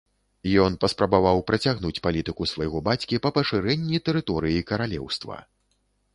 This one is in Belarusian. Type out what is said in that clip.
Ён паспрабаваў працягнуць палітыку свайго бацькі па пашырэнні тэрыторыі каралеўства.